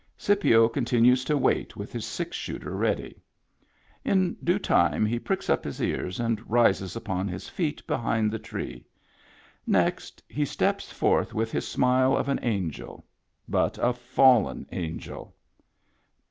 Scipio continues to wait with his six shooter ready. In due time he pricks up his ears and rises upon his feet be hind the tree. Next, he steps forthwith his smile of an angel — but a fallen angel.